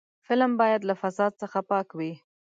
فلم باید له فساد څخه پاک وي